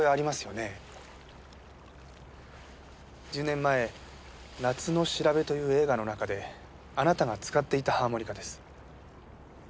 １０年前『夏のしらべ』という映画の中であなたが使っていたハーモニカです。